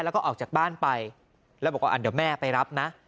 แล้วก็ออกจากบ้านไปแล้วบอกว่าเดี๋ยวแม่ไปรับนะ